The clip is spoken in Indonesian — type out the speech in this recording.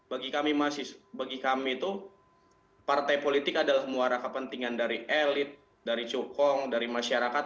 bagi kami bagi kami itu partai politik adalah muara kepentingan dari elit dari cukong dari masyarakat